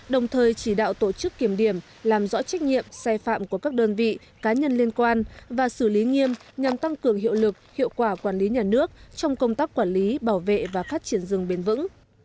đồng thời chỉ đạo tổ chức kiểm điểm làm rõ trách nhiệm sai phạm của các đơn vị cá nhân liên quan và xử lý nghiêm nhằm tăng cường hiệu lực hiệu quả quản lý nhà nước trong công tác quản lý bảo vệ và phát triển rừng bền vững